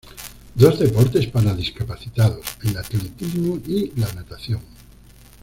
Dos deportes para discapacitados, el atletismo y la natación.